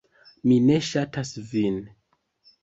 Mi ne ŝatas vin.